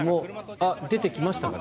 出てきましたかね。